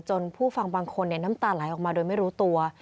จนผู้ฟังบางคนเนี่ยน้ำตาลายออกมาโดยไม่รู้ตัว